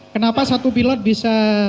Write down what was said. kenapa satu pilot bisa